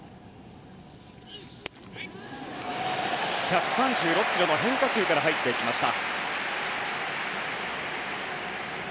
１３６キロの変化球から入ってきました。